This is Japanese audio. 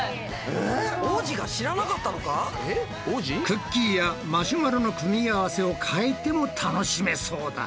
クッキーやマシュマロの組み合わせを変えても楽しめそうだ。